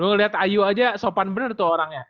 gue ngeliat ayu aja sopan bener tuh orangnya